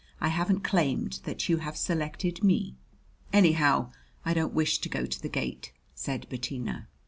I haven't claimed that you have selected me." "Anyhow, I don't wish to go to the gate," said Bettina.